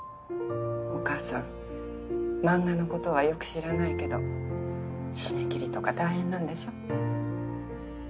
お母さん漫画のことはよく知らないけど締め切りとか大変なんでしょ？